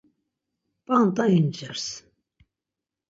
p̌anda incirs.